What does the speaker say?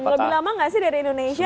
lebih lama gak sih dari indonesia